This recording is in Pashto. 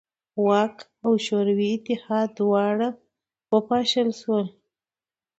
واک او شوروي اتحاد دواړه وپاشل شول.